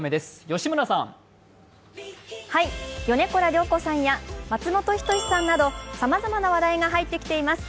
米倉涼子さんや松本人志さんなどさまざまな話題が入ってきています。